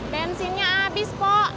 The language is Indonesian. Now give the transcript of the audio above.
bensinnya abis po